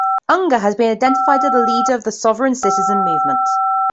Unger has been identified as a leader of the sovereign citizen movement.